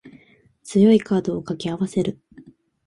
強いカードを掛け合わせる